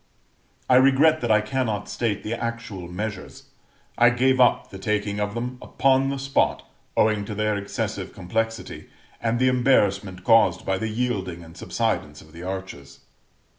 I regret that I cannot state the actual measures. I gave up the taking them upon the spot, owing to their excessive complexity, and the embarrassment caused by the yielding and subsidence of the arches.